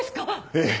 ええ。